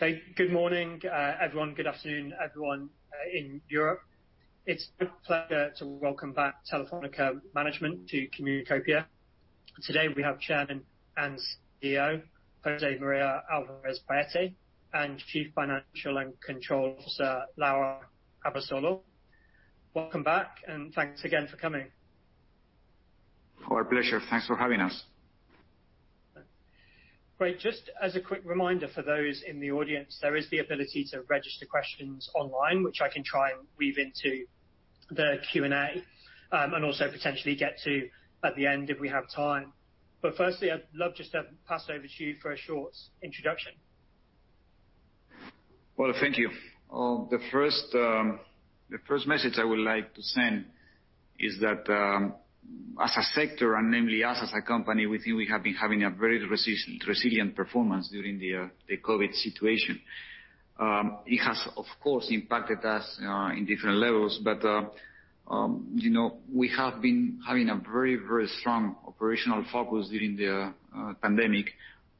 Hey, good morning, everyone. Good afternoon, everyone in Europe. It's a pleasure to welcome back Telefónica Management to Communacopia. Today we have Chairman and CEO, José María Álvarez-Pallete, and Chief Financial and Control Officer, Laura Abasolo. Welcome back, and thanks again for coming. Our pleasure. Thanks for having us. Great. Just as a quick reminder for those in the audience, there is the ability to register questions online, which I can try and weave into the Q&A, and also potentially get to at the end if we have time. Firstly, I'd love just to pass over to you for a short introduction. Thank you. The first message I would like to send is that, as a sector and namely us as a company, we think we have been having a very resilient performance during the COVID situation. It has, of course, impacted us in different levels. We have been having a very strong operational focus during the pandemic,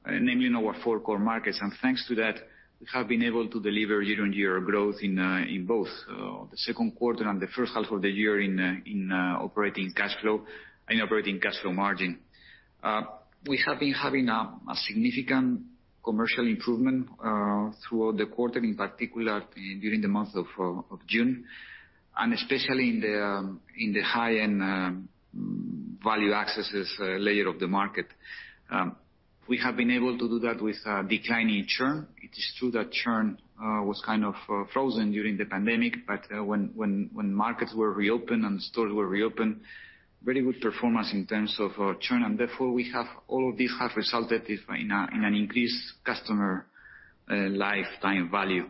namely in our four core markets. Thanks to that, we have been able to deliver year-on-year growth in both the second quarter and the first half of the year in operating cash flow and operating cash flow margin. We have been having a significant commercial improvement throughout the quarter, in particular during the month of June, and especially in the high-end value accesses layer of the market. We have been able to do that with a declining churn. It is true that churn was kind of frozen during the pandemic. When markets were reopened and stores were reopened, very good performance in terms of churn. Therefore, all of this has resulted in an increased customer lifetime value.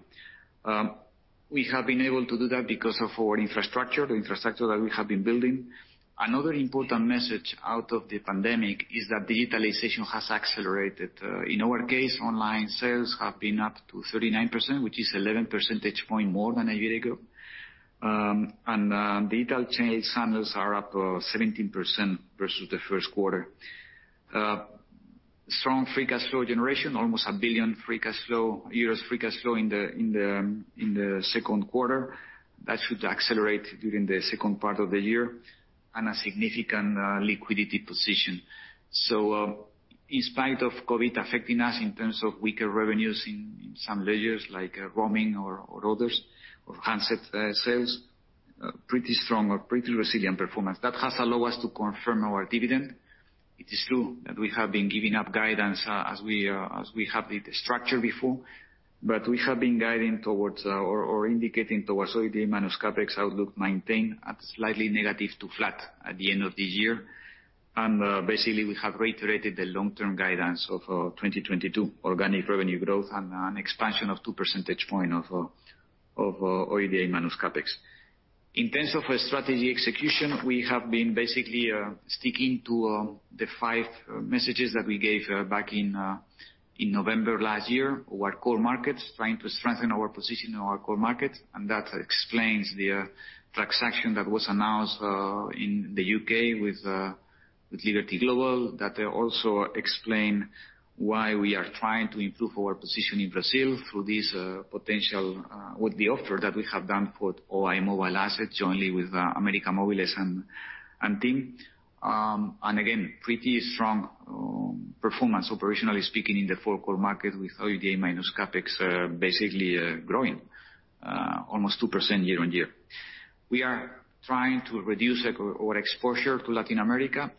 We have been able to do that because of our infrastructure, the infrastructure that we have been building. Another important message out of the pandemic is that digitalization has accelerated. In our case, online sales have been up to 39%, which is 11 percentage point more than a year ago. Digital channels are up 17% versus the first quarter. Strong free cash flow generation, almost $1 billion U.S. free cash flow in the second quarter. That should accelerate during the second part of the year. A significant liquidity position. In spite of COVID affecting us in terms of weaker revenues in some layers like roaming or others, or handset sales, pretty strong or pretty resilient performance. That has allowed us to confirm our dividend. It is true that we have been giving up guidance as we have the structure before, but we have been guiding towards or indicating towards OIBDA minus CapEx outlook maintained at slightly negative to flat at the end of this year. Basically, we have reiterated the long-term guidance of 2022 organic revenue growth and an expansion of 2 percentage point of OIBDA minus CapEx. In terms of strategy execution, we have been basically sticking to the five messages that we gave back in November last year. Our core markets, trying to strengthen our position in our core markets, that explains the transaction that was announced in the U.K. with Liberty Global. That also explain why we are trying to improve our position in Brazil through this potential with the offer that we have done for Oi mobile assets jointly with América Móvil and TIM. Again, pretty strong performance operationally speaking in the four core markets with OIBDA minus CapEx basically growing almost 2% year-on-year. We are trying to reduce our exposure to Latin America.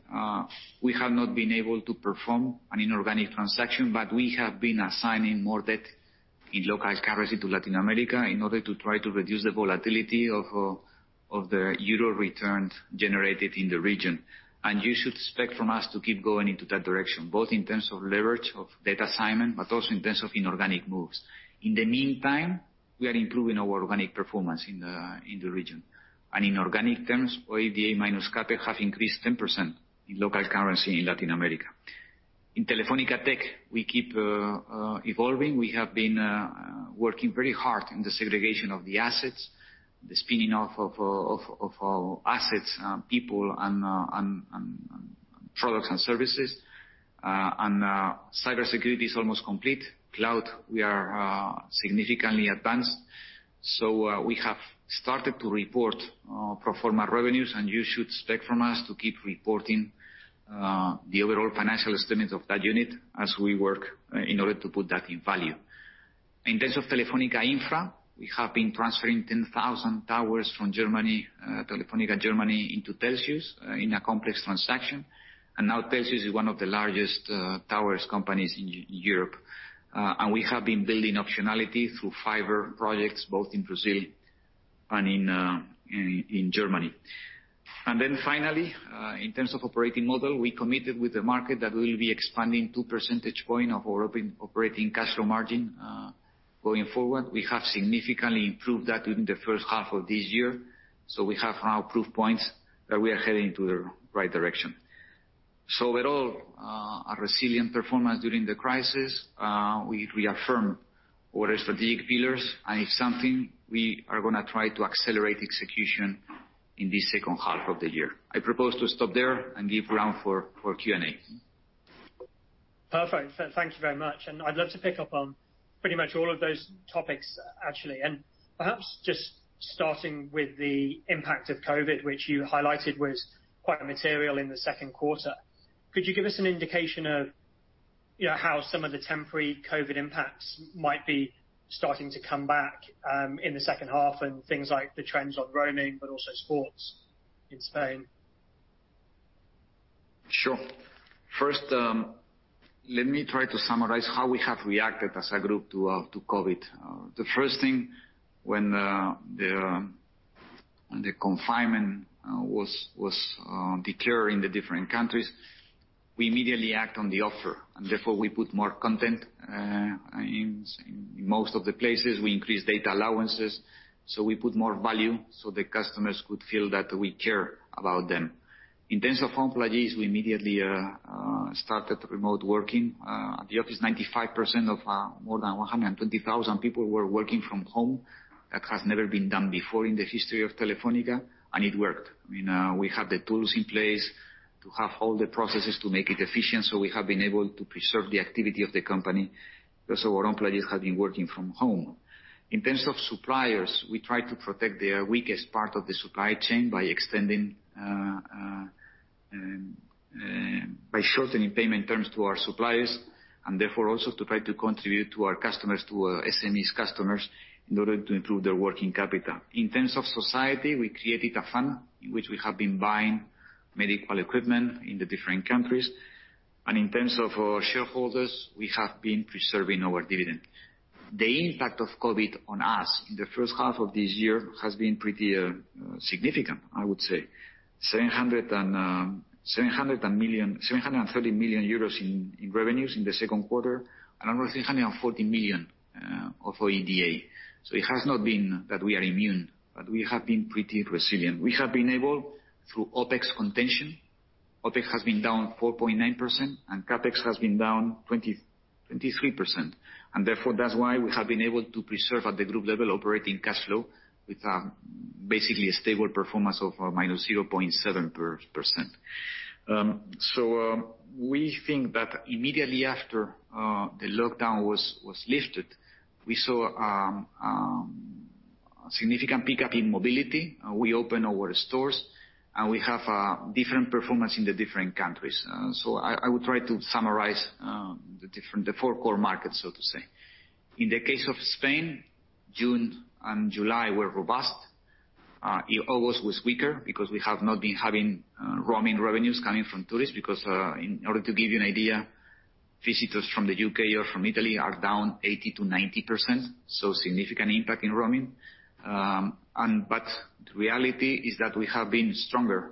We have not been able to perform an inorganic transaction, but we have been assigning more debt in localized currency to Latin America in order to try to reduce the volatility of the Euro returns generated in the region. You should expect from us to keep going into that direction, both in terms of leverage of debt assignment, but also in terms of inorganic moves. In the meantime, we are improving our organic performance in the region. In organic terms, OIBDA minus CapEx have increased 10% in local currency in Latin America. In Telefónica Tech, we keep evolving. We have been working very hard in the segregation of the assets, the spinning off of our assets, people and products and services. Cybersecurity is almost complete. Cloud, we are significantly advanced. We have started to report pro forma revenues, and you should expect from us to keep reporting the overall financial estimates of that unit as we work in order to put that in value. In terms of Telefónica Infra, we have been transferring 10,000 towers from Germany, Telefónica Germany, into Telxius in a complex transaction. Now Telxius is one of the largest towers companies in Europe. We have been building optionality through fiber projects both in Brazil and in Germany. Then finally, in terms of operating model, we committed with the market that we'll be expanding two percentage point of our operating cash flow margin going forward. We have significantly improved that during the first half of this year. We have now proof points that we are heading to the right direction. Overall, a resilient performance during the crisis. We affirm our strategic pillars, and if something, we are going to try to accelerate execution in the second half of the year. I propose to stop there and give round for Q&A. Perfect. Thank you very much. I'd love to pick up on pretty much all of those topics, actually. Perhaps just starting with the impact of COVID, which you highlighted was quite material in the second quarter. Could you give us an indication of how some of the temporary COVID impacts might be starting to come back in the second half and things like the trends on roaming, but also sports in Spain? Sure. First, let me try to summarize how we have reacted as a group to COVID. The first thing when the confinement was declared in the different countries, we immediately act on the offer, therefore we put more content in most of the places, we increased data allowances, we put more value the customers could feel that we care about them. In terms of home policies, we immediately started remote working. At the office, 95% of more than 120,000 people were working from home. That has never been done before in the history of Telefónica, it worked. We have the tools in place to have all the processes to make it efficient, we have been able to preserve the activity of the company. Also, our own employees have been working from home. In terms of suppliers, we try to protect their weakest part of the supply chain by shortening payment terms to our suppliers, and therefore, also to try to contribute to our SMEs customers in order to improve their working capital. In terms of society, we created a fund in which we have been buying medical equipment in the different countries. In terms of our shareholders, we have been preserving our dividend. The impact of COVID on us in the first half of this year has been pretty significant, I would say. 730 million euros in revenues in the second quarter and 340 million of OIBDA. It has not been that we are immune, but we have been pretty resilient. We have been able through OPEX contention. OPEX has been down 4.9% and CapEx has been down 23%. Therefore, that's why we have been able to preserve at the group level operating cash flow with basically a stable performance of minus 0.7%. We think that immediately after the lockdown was lifted, we saw a significant pickup in mobility. We opened our stores, and we have a different performance in the different countries. I will try to summarize the four core markets, so to say. In the case of Spain, June and July were robust. August was weaker because we have not been having roaming revenues coming from tourists because, in order to give you an idea, visitors from the U.K. or from Italy are down 80%-90%. Significant impact in roaming. The reality is that we have been stronger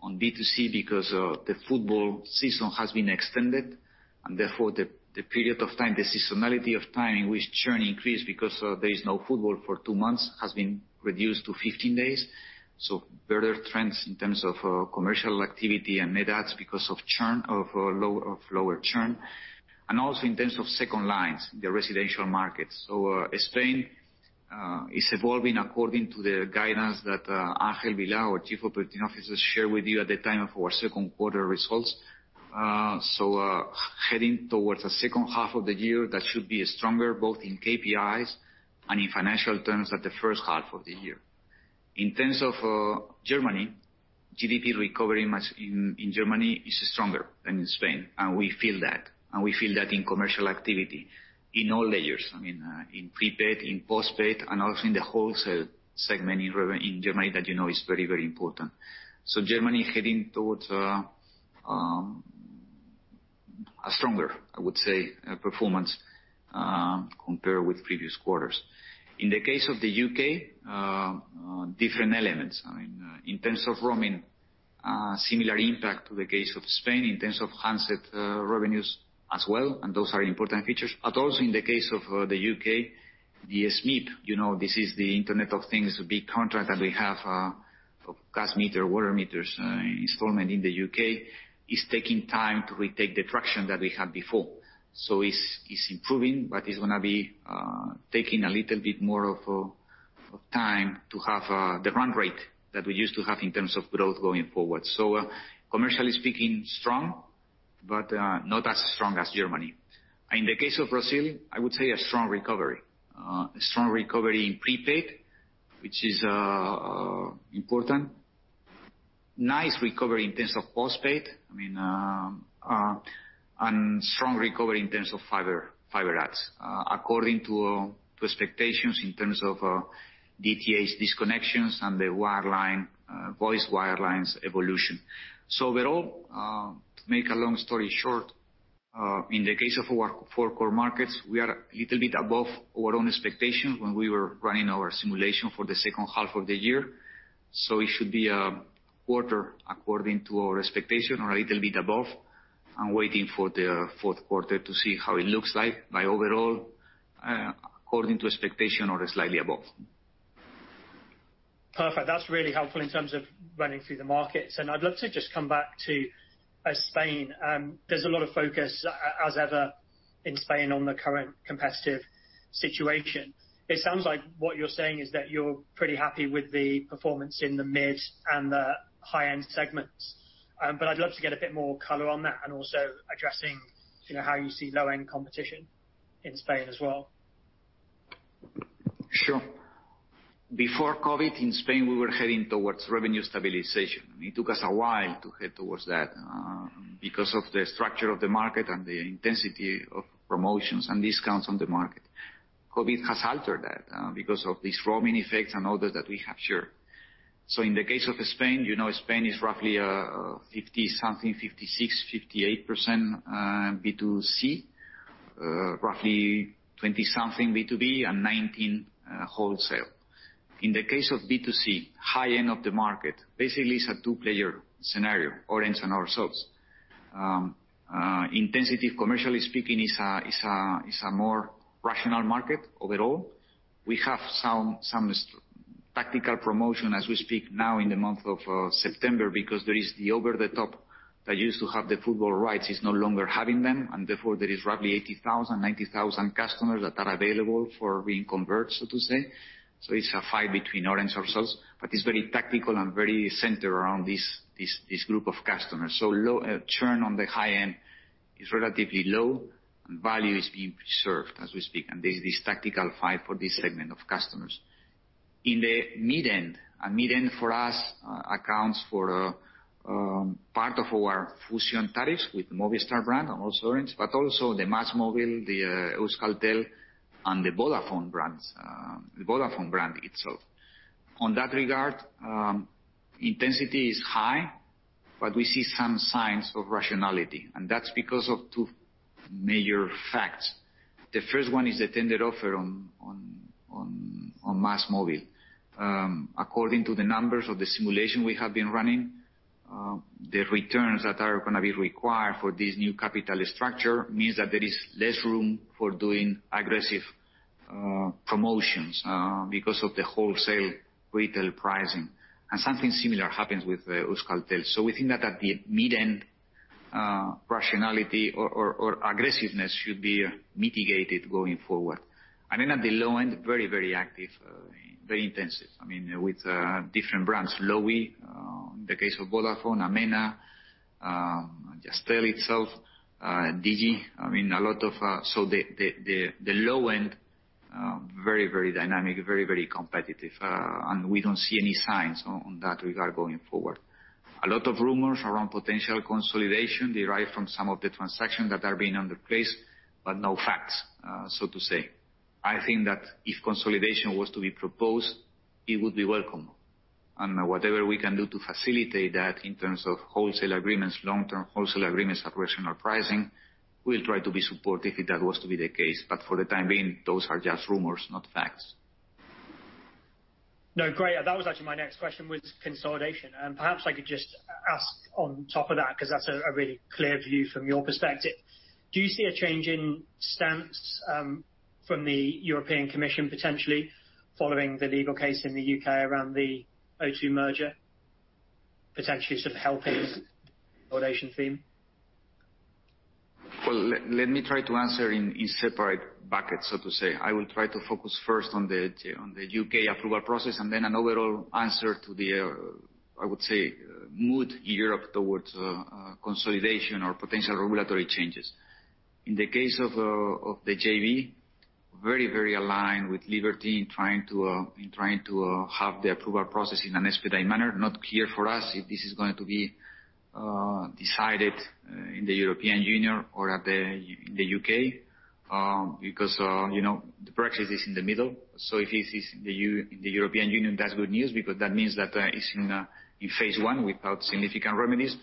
on B2C because the football season has been extended, and therefore the period of time, the seasonality of time in which churn increased because there is no football for two months has been reduced to 15 days. Better trends in terms of commercial activity and net adds because of lower churn. Also in terms of second lines, the residential markets. Spain is evolving according to the guidance that Ángel Vilá, our Chief Operating Officer, shared with you at the time of our second quarter results. Heading towards the second half of the year, that should be stronger, both in KPIs and in financial terms at the first half of the year. In terms of Germany, GDP recovery in Germany is stronger than in Spain, and we feel that. We feel that in commercial activity in all layers. In prepaid, in postpaid, and also in the wholesale segment in Germany that you know is very, very important. Germany heading towards a stronger, I would say, performance compared with previous quarters. In the case of the U.K., different elements. In terms of roaming, similar impact to the case of Spain in terms of handset revenues as well, and those are important features. Also in the case of the U.K., the SMIP, this is the Internet of Things, a big contract that we have for gas meter, water meters installment in the U.K. is taking time to retake the traction that we had before. It's improving, but it's going to be taking a little bit more of time to have the run rate that we used to have in terms of growth going forward. Commercially speaking, strong, but not as strong as Germany. In the case of Brazil, I would say a strong recovery. A strong recovery in prepaid, which is important. Nice recovery in terms of postpaid, and strong recovery in terms of fiber adds according to expectations in terms of DTH, disconnections, and the voice wirelines evolution. Overall, to make a long story short, in the case of our four core markets, we are a little bit above our own expectations when we were running our simulation for the second half of the year. It should be a quarter according to our expectation or a little bit above and waiting for the fourth quarter to see how it looks like. Overall, according to expectation or slightly above. Perfect. That's really helpful in terms of running through the markets. I'd love to just come back to Spain. There's a lot of focus, as ever in Spain on the current competitive situation. It sounds like what you're saying is that you're pretty happy with the performance in the mid and high-end segments. I'd love to get a bit more color on that and also addressing how you see low-end competition in Spain as well. Sure. Before COVID, in Spain, we were heading towards revenue stabilization. It took us a while to head towards that because of the structure of the market and the intensity of promotions and discounts on the market. COVID has altered that, because of these roaming effects and others that we have shared. In the case of Spain is roughly 50-something%, 56%, 58% B2C, roughly 20-something% B2B, and 19% wholesale. In the case of B2C, high-end of the market, basically it's a two-player scenario, Orange and ourselves. Intensity, commercially speaking, is a more rational market overall. We have some tactical promotion as we speak now in the month of September because there is the over-the-top that used to have the football rights is no longer having them, and therefore there is roughly 80,000, 90,000 customers that are available for reconvert, so to say. It's a fight between Orange, ourselves, but it's very tactical and very centered around this group of customers. Churn on the high-end is relatively low, and value is being preserved as we speak. There's this tactical fight for this segment of customers. In the mid-end, and mid-end for us, accounts for part of our Fusión tariffs with Movistar brand and also Orange, but also the MásMóvil, the Euskaltel, and the Vodafone brands, the Vodafone brand itself. On that regard, intensity is high, but we see some signs of rationality, and that's because of two major facts. The first one is the tender offer on MásMóvil. According to the numbers of the simulation we have been running, the returns that are going to be required for this new capital structure means that there is less room for doing aggressive promotions because of the wholesale retail pricing. Something similar happens with Euskaltel. We think that at the mid-end, rationality or aggressiveness should be mitigated going forward. At the low end, very active, very intensive. With different brands, Lowi, the case of Vodafone, Amena, Jazztel itself, Digi. The low end, very dynamic, very competitive. We don't see any signs on that regard going forward. A lot of rumors around potential consolidation derived from some of the transactions that are being under place, but no facts, so to say. I think that if consolidation was to be proposed, it would be welcome. Whatever we can do to facilitate that in terms of wholesale agreements, long-term wholesale agreements at rational pricing, we'll try to be supportive if that was to be the case. For the time being, those are just rumors, not facts. No, great. That was actually my next question, was consolidation. Perhaps I could just ask on top of that because that's a really clear view from your perspective. Do you see a change in stance from the European Commission potentially following the legal case in the U.K. around the O2 merger, potentially sort of helping consolidation theme? Let me try to answer in separate buckets, so to say. I will try to focus first on the U.K. approval process and then an overall answer to the, I would say, mood here towards consolidation or potential regulatory changes. In the case of the JV, very, very aligned with Liberty in trying to have the approval process in an expedited manner. Not clear for us if this is going to be decided in the European Union or at the U.K., because the Brexit is in the middle. If it is in the European Union, that's good news because that means that it's in phase 1 without significant remedies.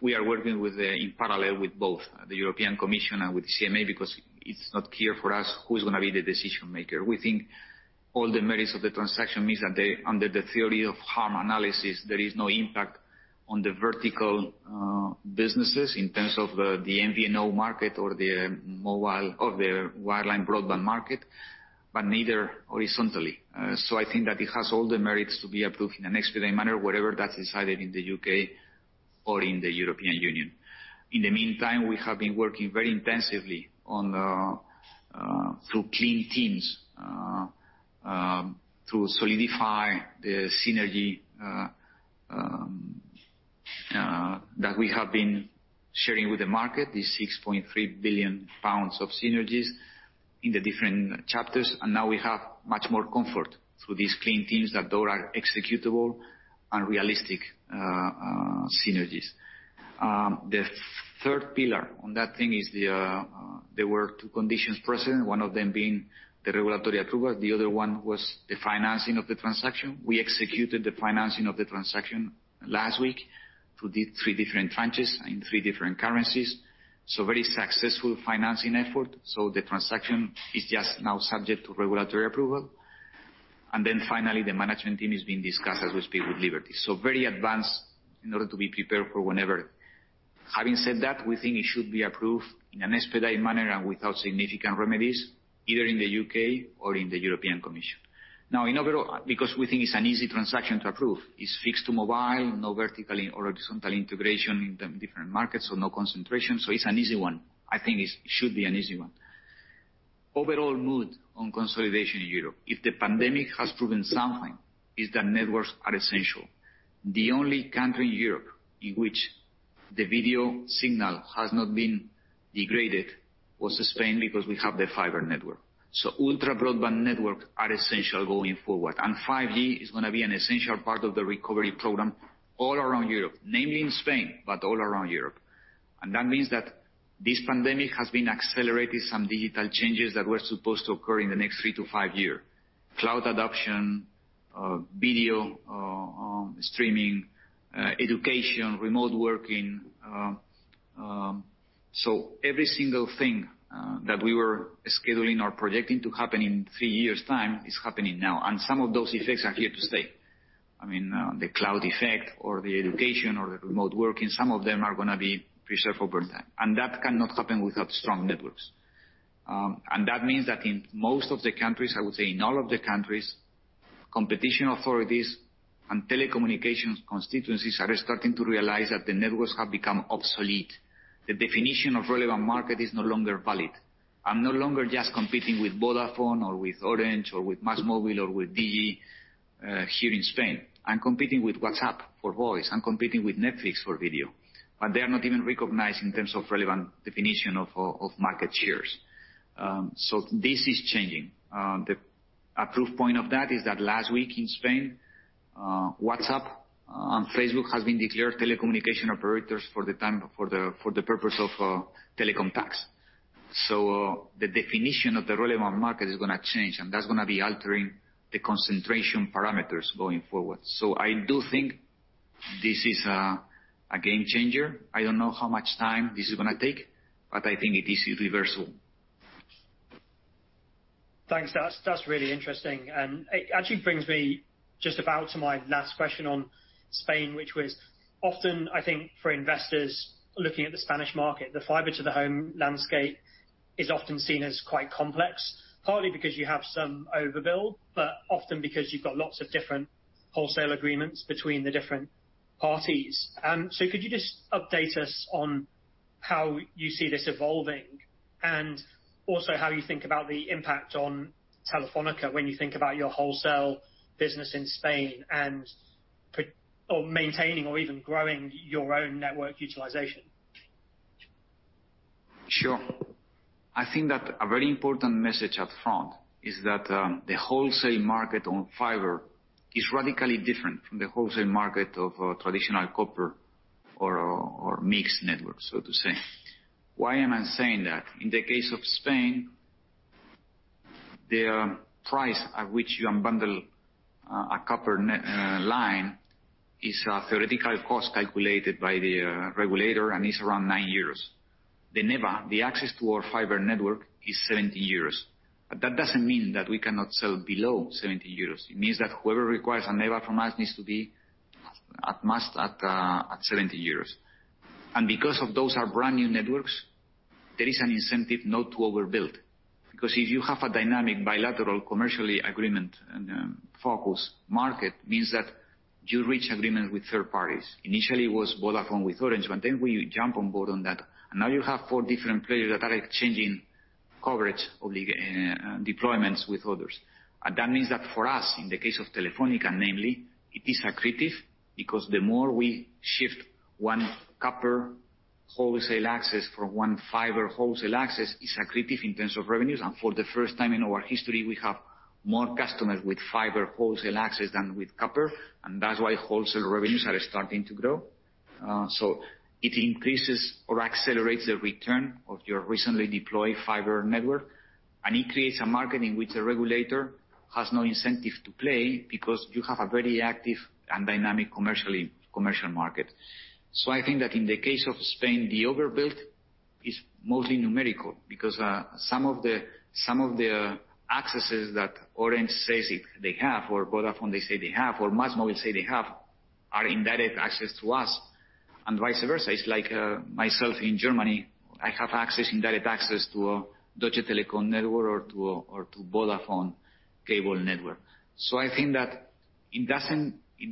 We are working in parallel with both the European Commission and with the CMA because it's not clear for us who's going to be the decision maker. We think all the merits of the transaction means that under the theory of harm analysis, there is no impact on the vertical businesses in terms of the MVNO market or the mobile or the wireline broadband market, but neither horizontally. I think that it has all the merits to be approved in an expedited manner, wherever that's decided in the U.K. or in the European Union. In the meantime, we have been working very intensively through clean teams to solidify the synergy that we have been sharing with the market, the 6.3 billion pounds of synergies in the different chapters. Now we have much more comfort through these clean teams that those are executable and realistic synergies. The third pillar on that thing is there were two conditions precedent, one of them being the regulatory approval. The other one was the financing of the transaction. We executed the financing of the transaction last week through three different tranches in three different currencies. Very successful financing effort. The transaction is just now subject to regulatory approval. Finally, the management team is being discussed as we speak with Liberty. Very advanced in order to be prepared for whenever. Having said that, we think it should be approved in an expedited manner and without significant remedies, either in the U.K. or in the European Commission. In overall, because we think it's an easy transaction to approve. It's fixed to mobile, no vertical or horizontal integration in the different markets, so no concentration. It's an easy one. I think it should be an easy one. Overall mood on consolidation in Europe. If the pandemic has proven something, is that networks are essential. The only country in Europe in which the video signal has not been degraded was Spain, because we have the fiber network. Ultra-broadband network are essential going forward. 5G is going to be an essential part of the recovery program all around Europe, namely in Spain, but all around Europe. That means that this pandemic has been accelerating some digital changes that were supposed to occur in the next three-five year. Cloud adoption, video streaming, education, remote working. Every single thing that we were scheduling or projecting to happen in three years' time is happening now. Some of those effects are here to stay. The cloud effect or the education or the remote working, some of them are going to be preserved over time. That cannot happen without strong networks. That means that in most of the countries, I would say in all of the countries, competition authorities and telecommunications constituencies are starting to realize that the networks have become obsolete. The definition of relevant market is no longer valid. I'm no longer just competing with Vodafone or with Orange or with MásMóvil or with Digi here in Spain. I'm competing with WhatsApp for voice. I'm competing with Netflix for video. They are not even recognized in terms of relevant definition of market shares. This is changing. A proof point of that is that last week in Spain, WhatsApp and Facebook has been declared telecommunication operators for the purpose of telecom tax. The definition of the relevant market is going to change, and that's going to be altering the concentration parameters going forward. I do think this is a game changer. I don't know how much time this is going to take, but I think it is irreversible. Thanks. That's really interesting. It actually brings me just about to my last question on Spain, which was often, I think for investors looking at the Spanish market, the fiber-to-the-home landscape is often seen as quite complex, partly because you have some overbuild, but often because you've got lots of different wholesale agreements between the different parties. Could you just update us on how you see this evolving and also how you think about the impact on Telefónica when you think about your wholesale business in Spain and maintaining or even growing your own network utilization? Sure. I think that a very important message up front is that the wholesale market on fiber is radically different from the wholesale market of traditional copper or mixed networks, so to say. Why am I saying that? In the case of Spain, the price at which you unbundle a copper line is a theoretical cost calculated by the regulator, and it's around 9 euros. The NEBA, the access to our fiber network is 70 euros. That doesn't mean that we cannot sell below 70 euros. It means that whoever requires a NEBA from us needs to be at most at 70 euros. Because of those are brand-new networks, there is an incentive not to overbuild. Because if you have a dynamic bilateral commercial agreement focus market means that you reach agreement with third parties. Initially, it was Vodafone with Orange, but then we jump on board on that, and now you have four different players that are exchanging coverage deployments with others. That means that for us, in the case of Telefónica namely, it is accretive because the more we shift one copper wholesale access for one fiber wholesale access is accretive in terms of revenues. For the first time in our history, we have more customers with fiber wholesale access than with copper, and that's why wholesale revenues are starting to grow. It increases or accelerates the return of your recently deployed fiber network, and it creates a market in which the regulator has no incentive to play because you have a very active and dynamic commercial market. I think that in the case of Spain, the overbuild is mostly numerical because some of the accesses that Orange says they have or Vodafone they say they have, or MásMóvil say they have, are indirect access to us and vice versa. It's like myself in Germany, I have indirect access to a Deutsche Telekom network or to Vodafone cable network. I think that it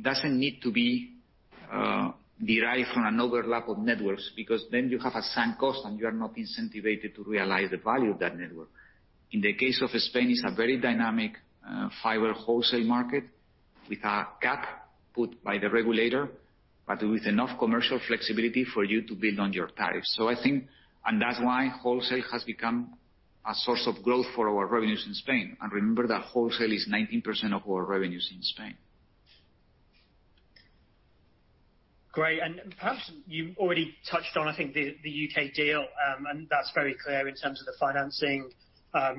doesn't need to be derived from an overlap of networks because then you have a sunk cost and you are not incentivized to realize the value of that network. In the case of Spain, it's a very dynamic fiber wholesale market with a cap put by the regulator, but with enough commercial flexibility for you to build on your tariffs. That's why wholesale has become a source of growth for our revenues in Spain. Remember that wholesale is 19% of our revenues in Spain. Great. Perhaps you already touched on, I think, the U.K. deal, and that's very clear in terms of the financing,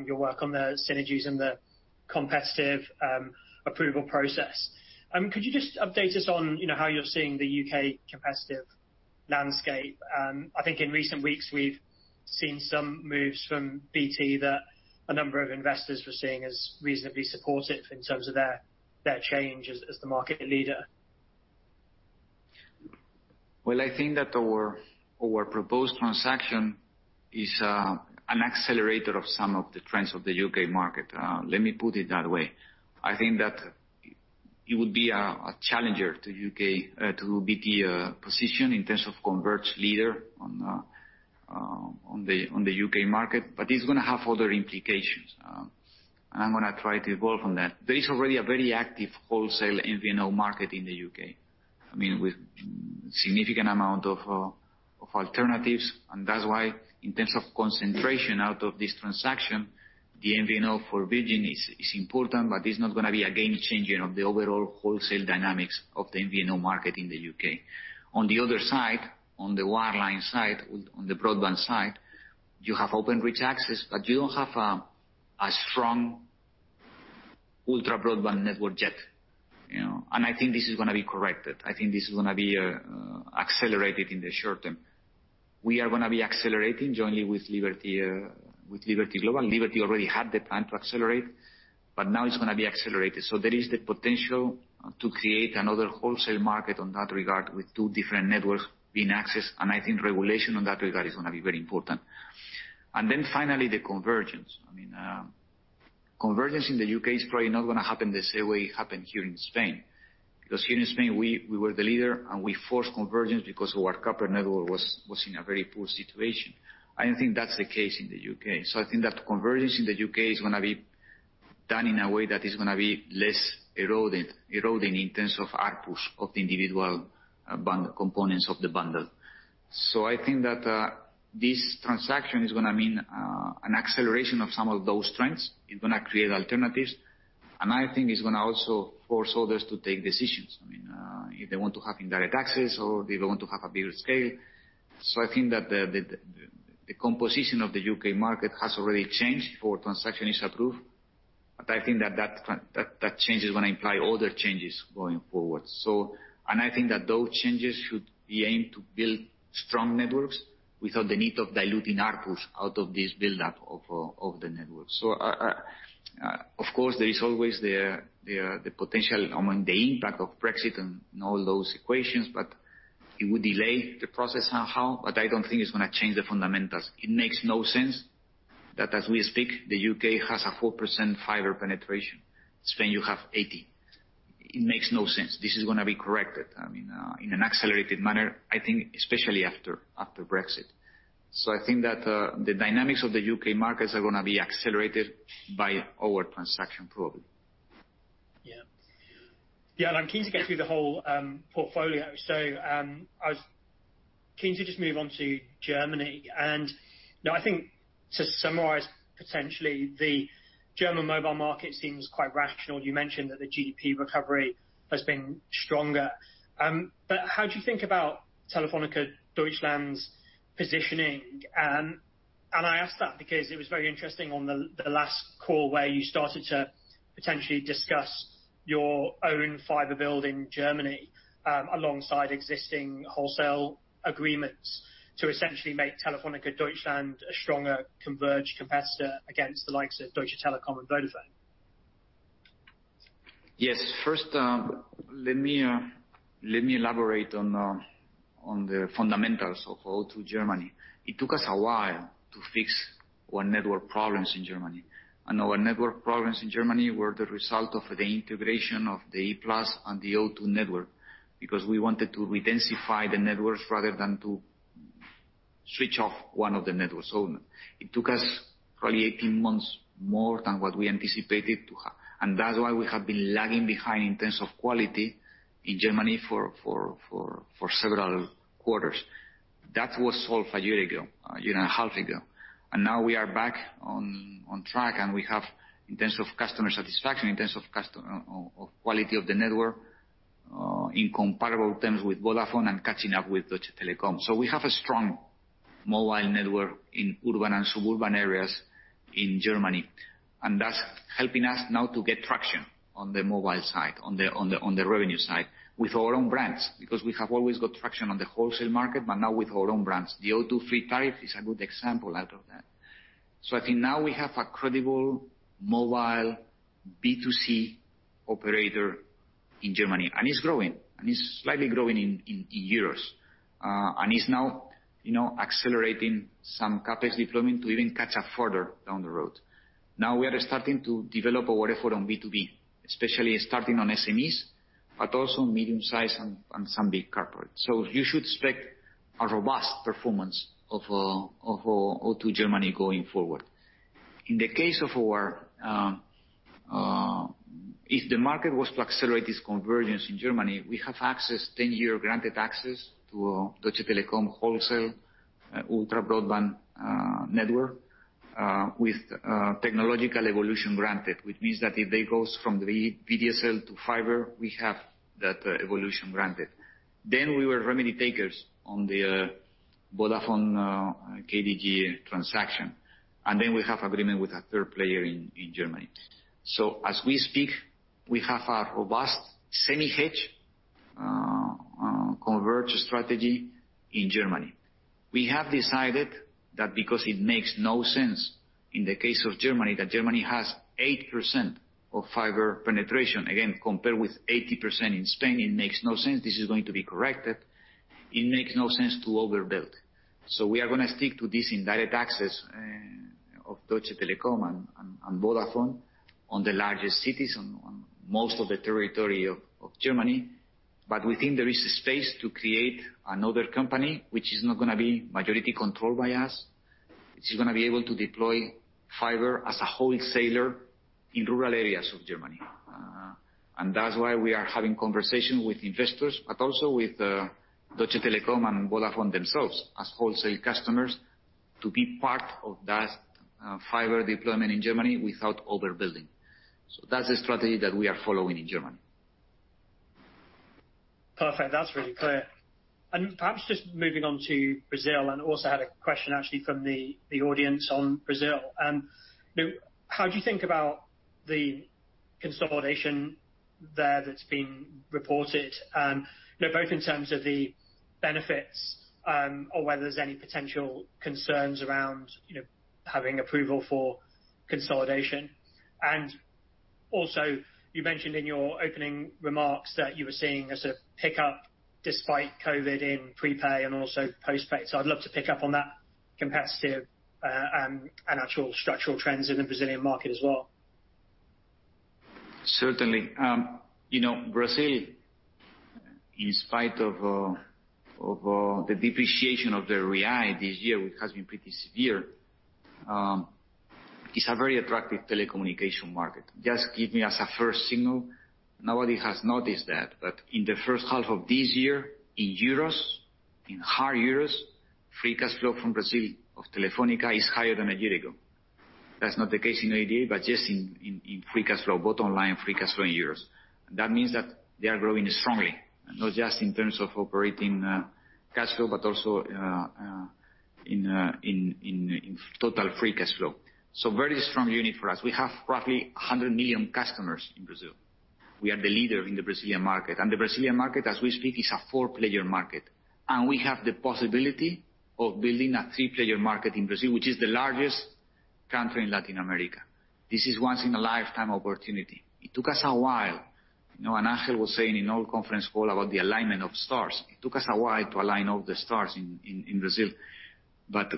your work on the synergies and the competitive approval process. Could you just update us on how you're seeing the U.K. competitive landscape? I think in recent weeks we've seen some moves from BT that a number of investors were seeing as reasonably supportive in terms of their change as the market leader. Well, I think that our proposed transaction is an accelerator of some of the trends of the U.K. market. Let me put it that way. It would be a challenger to BT position in terms of converged leader on the U.K. market, it's going to have other implications. I'm going to try to evolve on that. There is already a very active wholesale MVNO market in the U.K., with significant amount of alternatives, that's why in terms of concentration out of this transaction, the MVNO for Virgin is important, it's not going to be a game changer of the overall wholesale dynamics of the MVNO market in the U.K. On the other side, on the wireline side, on the broadband side, you have Openreach access, you don't have a strong ultra broadband network yet. I think this is going to be corrected. I think this is going to be accelerated in the short term. We are going to be accelerating jointly with Liberty Global. Liberty already had the plan to accelerate, now it's going to be accelerated. There is the potential to create another wholesale market on that regard with two different networks being accessed, and I think regulation on that regard is going to be very important. Finally, the convergence. Convergence in the U.K. is probably not going to happen the same way it happened here in Spain. Here in Spain, we were the leader, and we forced convergence because our copper network was in a very poor situation. I don't think that's the case in the U.K. I think that convergence in the U.K. is going to be done in a way that is going to be less eroding in terms of ARPUs of the individual components of the bundle. It's going to create alternatives. I think it's going to also force others to take decisions. If they want to have indirect access or if they want to have a bigger scale. I think that the composition of the U.K. market has already changed before transaction is approved. I think that change is going to imply other changes going forward. I think that those changes should be aimed to build strong networks without the need of diluting ARPUs out of this buildup of the network. Of course, there is always the potential among the impact of Brexit and all those equations, but it would delay the process somehow, but I don't think it's going to change the fundamentals. It makes no sense that as we speak, the U.K. has a 4% fiber penetration. Spain, you have 80. It makes no sense. This is going to be corrected, in an accelerated manner, I think especially after Brexit. I think that the dynamics of the U.K. markets are going to be accelerated by our transaction, probably. Yeah. I'm keen to get through the whole portfolio. I was keen to just move on to Germany. Now I think to summarize, potentially the German mobile market seems quite rational. You mentioned that the GDP recovery has been stronger. How do you think about Telefónica Deutschland's positioning? I ask that because it was very interesting on the last call where you started to potentially discuss your own fiber build in Germany, alongside existing wholesale agreements to essentially make Telefónica Deutschland a stronger converged competitor against the likes of Deutsche Telekom and Vodafone. Yes. First, let me elaborate on the fundamentals of O2 Germany. Our network problems in Germany were the result of the integration of the E-Plus and the O2 network, because we wanted to redensify the networks rather than to switch off one of the networks. It took us probably 18 months more than what we anticipated to have. That's why we have been lagging behind in terms of quality in Germany for several quarters. That was solved a year ago, a year and a half ago. Now we are back on track, and we have, in terms of customer satisfaction, in terms of quality of the network, in comparable terms with Vodafone and catching up with Deutsche Telekom. We have a strong mobile network in urban and suburban areas in Germany, and that's helping us now to get traction on the mobile side, on the revenue side with our own brands. We have always got traction on the wholesale market, but now with our own brands. The O2 Free tariff is a good example out of that. I think now we have a credible mobile B2C operator in Germany, and it's growing. It's slightly growing in years. It's now accelerating some CapEx deployment to even catch up further down the road. Now we are starting to develop our effort on B2B, especially starting on SMEs, but also medium-size and some big corporate. You should expect a robust performance of O2 Germany going forward. If the market was to accelerate this convergence in Germany, we have accessed 10-year granted access to Deutsche Telekom wholesale, ultra broadband network, with technological evolution granted, which means that if they go from VDSL to fiber, we have that evolution granted. We were remedy takers on the Vodafone KDG transaction, we have agreement with a third player in Germany. As we speak, we have a robust semi-hedge converged strategy in Germany. We have decided that because it makes no sense in the case of Germany, that Germany has 8% of fiber penetration, again, compared with 80% in Spain, it makes no sense. This is going to be corrected. It makes no sense to overbuild. We are going to stick to this indirect access of Deutsche Telekom and Vodafone on the largest cities on most of the territory of Germany. We think there is space to create another company, which is not going to be majority controlled by us, which is going to be able to deploy fiber as a wholesaler in rural areas of Germany. That's why we are having conversation with investors, but also with Deutsche Telekom and Vodafone themselves as wholesale customers to be part of that fiber deployment in Germany without overbuilding. That's the strategy that we are following in Germany. Perfect. That's really clear. Perhaps just moving on to Brazil, also had a question actually from the audience on Brazil. How do you think about the consolidation there that's been reported? Both in terms of the benefits, or whether there's any potential concerns around having approval for consolidation. Also, you mentioned in your opening remarks that you were seeing as a pickup despite COVID in prepay and also postpaid. I'd love to pick up on that competitive and actual structural trends in the Brazilian market as well. Certainly. Brazil, in spite of the depreciation of the real this year, which has been pretty severe, is a very attractive telecommunication market. Just give me as a first signal, nobody has noticed that. In the first half of this year, in EUR, free cash flow from Brazil of Telefónica is higher than a year ago. That's not the case in OIBDA, but just in free cash flow, both online, free cash flow in EUR. That means that they are growing strongly, not just in terms of operating cash flow, but also in total free cash flow. Very strong unit for us. We have roughly 100 million customers in Brazil. We are the leader in the Brazilian market. The Brazilian market, as we speak, is a four-player market. We have the possibility of building a three-player market in Brazil, which is the largest country in Latin America. This is once in a lifetime opportunity. It took us a while. Ángel was saying in our conference call about the alignment of stars. It took us a while to align all the stars in Brazil.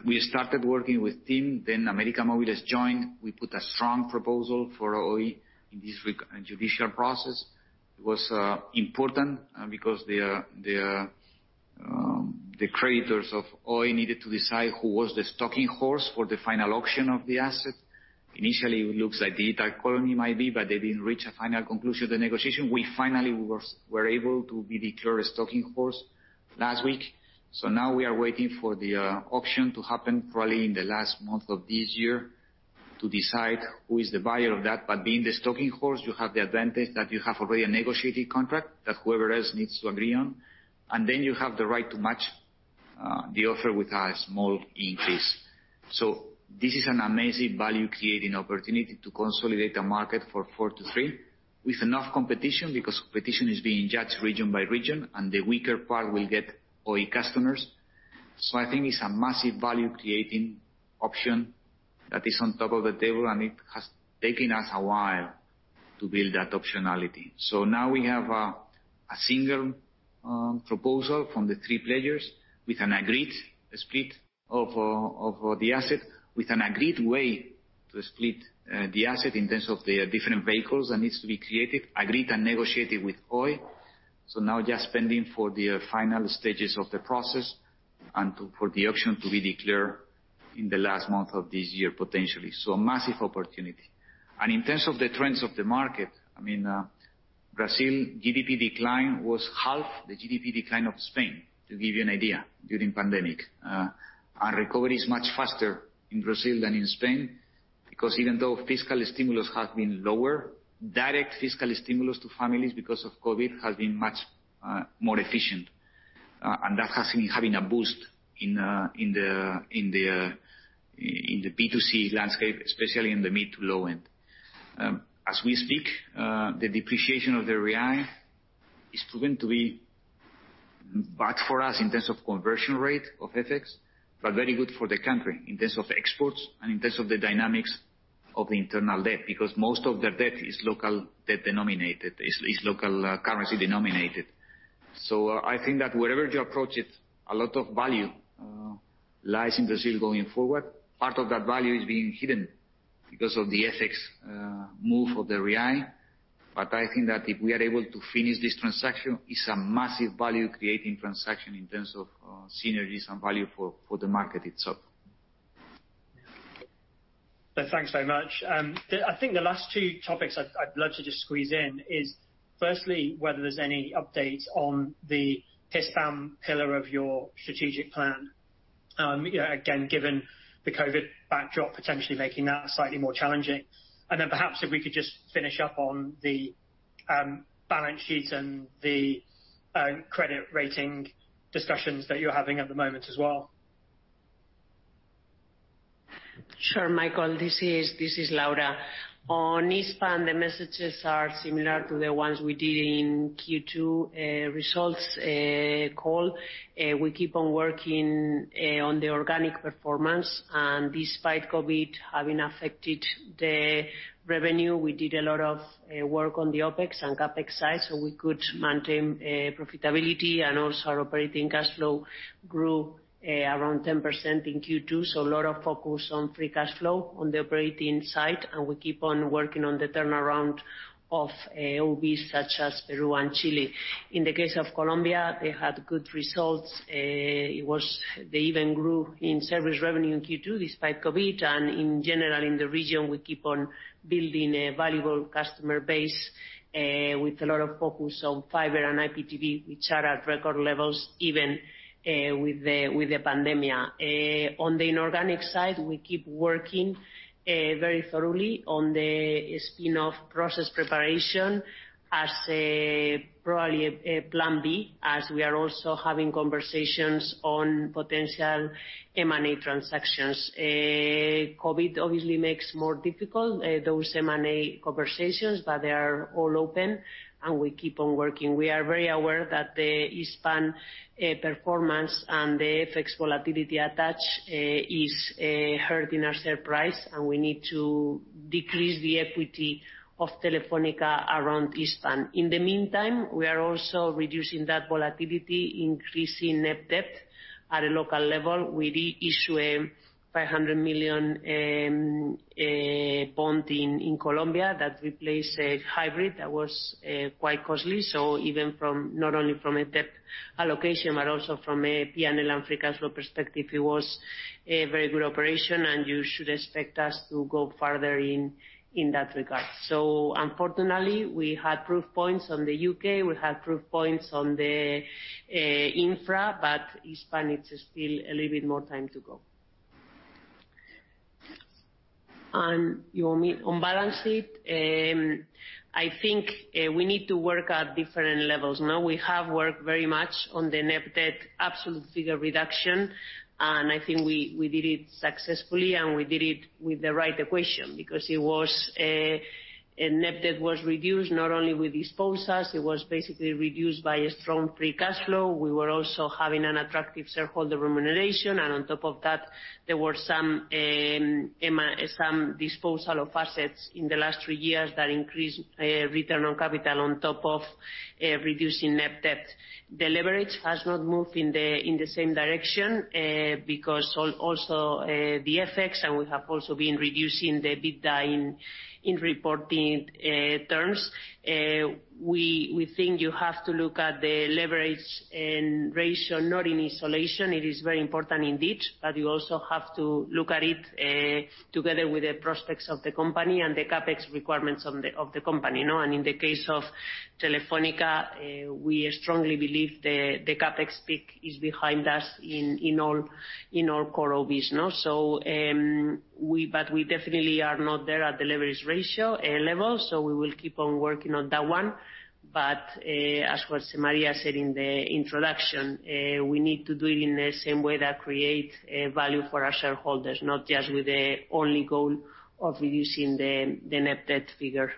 We started working with TIM, then América Móvil joined. We put a strong proposal for Oi in this judicial process. It was important because the creditors of Oi needed to decide who was the stalking horse for the final auction of the asset. Initially, it looks like Digital Colony might be, but they didn't reach a final conclusion of the negotiation. We finally were able to be declared a stalking horse last week. Now we are waiting for the auction to happen probably in the last month of this year to decide who is the buyer of that. Being the stalking horse, you have the advantage that you have already a negotiated contract that whoever else needs to agree on. Then you have the right to match the offer with a small increase. This is an amazing value-creating opportunity to consolidate the market for four to three with enough competition, because competition is being judged region by region, and the weaker part will get Oi customers. I think it's a massive value-creating option that is on top of the table, and it has taken us a while to build that optionality. Now we have a single proposal from the three players with an agreed split of the asset, with an agreed way to split the asset in terms of the different vehicles that needs to be created, agreed and negotiated with Oi. Now just pending for the final stages of the process and for the auction to be declared in the last month of this year, potentially. A massive opportunity. In terms of the trends of the market, Brazil GDP decline was half the GDP decline of Spain, to give you an idea, during pandemic. Recovery is much faster in Brazil than in Spain, because even though fiscal stimulus has been lower, direct fiscal stimulus to families because of COVID has been much more efficient. That has been having a boost in the B2C landscape, especially in the mid to low end. As we speak, the depreciation of the real is proven to be bad for us in terms of conversion rate of FX, but very good for the country in terms of exports and in terms of the dynamics of internal debt, because most of their debt is local debt denominated, is local currency denominated. I think that wherever you approach it, a lot of value lies in Brazil going forward. Part of that value is being hidden because of the FX move of the real. I think that if we are able to finish this transaction, it is a massive value-creating transaction in terms of synergies and value for the market itself. Thanks very much. I think the last two topics I'd love to just squeeze in is firstly, whether there is any updates on the Hispam pillar of your strategic plan. Again, given the COVID backdrop potentially making that slightly more challenging. Then perhaps if we could just finish up on the balance sheet and the credit rating discussions that you are having at the moment as well. Sure, Michael, this is Laura. On Hispam, the messages are similar to the ones we did in Q2 results call. We keep on working on the organic performance, and despite COVID having affected the revenue, we did a lot of work on the OpEx and CapEx side so we could maintain profitability, and also our operating cash flow grew around 10% in Q2. A lot of focus on free cash flow on the operating side. We keep on working on the turnaround of OBs such as Peru and Chile. In the case of Colombia, they had good results. They even grew in service revenue in Q2 despite COVID, and in general in the region, we keep on building a valuable customer base, with a lot of focus on fiber and IPTV, which are at record levels, even with the pandemia. On the inorganic side, we keep working very thoroughly on the spin-off process preparation as probably a plan B, as we are also having conversations on potential M&A transactions. COVID obviously makes more difficult those M&A conversations, but they are all open, and we keep on working. We are very aware that the Hispam performance and the FX volatility attached is hurting our share price, and we need to decrease the equity of Telefónica around Hispam. In the meantime, we are also reducing that volatility, increasing net debt at a local level. We re-issue a 500 million bond in Colombia that replaced a hybrid that was quite costly. Even from, not only from a debt allocation, but also from a P&L and free cash flow perspective, it was a very good operation, and you should expect us to go farther in that regard. Unfortunately, we had proof points on the U.K., we had proof points on the infra, but Hispam needs still a little bit more time to go. You want me on balance sheet? I think we need to work at different levels. We have worked very much on the net debt absolute figure reduction, and I think we did it successfully and we did it with the right equation, because net debt was reduced not only with disposals, it was basically reduced by a strong free cash flow. We were also having an attractive shareholder remuneration, and on top of that, there were some disposal of assets in the last three years that increased return on capital on top of reducing net debt. The leverage has not moved in the same direction, because also the FX, and we have also been reducing the EBITDA in reporting terms. We think you have to look at the leverage ratio, not in isolation. It is very important indeed, you also have to look at it together with the prospects of the company and the CapEx requirements of the company. In the case of Telefónica, we strongly believe the CapEx peak is behind us in all core OBs. We definitely are not there at the leverage ratio level, so we will keep on working on that one. As María said in the introduction, we need to do it in the same way that creates value for our shareholders, not just with the only goal of reducing the net debt figure.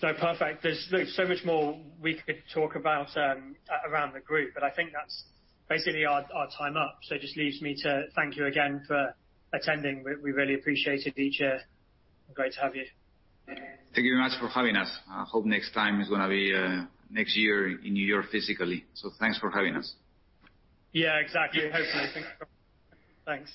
Perfect. There's so much more we could talk about around the group, but I think that's basically our time up. Just leaves me to thank you again for attending. We really appreciate it, each. Great to have you. Thank you very much for having us. I hope next time is going to be next year in New York physically. Thanks for having us. Yeah, exactly. Hopefully. Thanks.